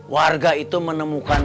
warga itu menemukan